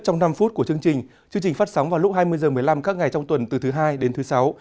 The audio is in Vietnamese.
trong năm phút của chương trình chương trình phát sóng vào lúc hai mươi h một mươi năm các ngày trong tuần từ thứ hai đến thứ sáu